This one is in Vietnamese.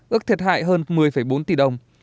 ước thiệt hại hơn một mươi bốn tỷ đồng